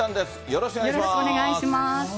よろしくお願いします。